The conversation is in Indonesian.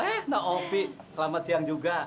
eh nah opi selamat siang juga